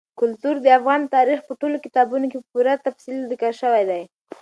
کلتور د افغان تاریخ په ټولو کتابونو کې په پوره تفصیل ذکر شوی دي.